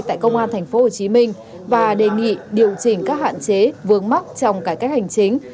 tại công an tp hcm và đề nghị điều chỉnh các hạn chế vướng mắc trong cải cách hành chính